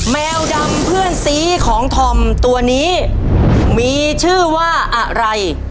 แมวดำเพื่อนสีของธอมตัวนี้มีชื่อว่าอะไร